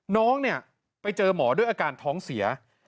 น้องเนี่ยไปเจอหมอด้วยอาการท้องเสีย